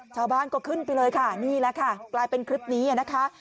ชาวบ้านก็ขึ้นไปเลยค่ะนี่แหละค่ะกลายเป็นคลิปนี้นะคะ